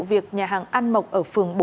việc nhà hàng ăn mộc ở phường bốn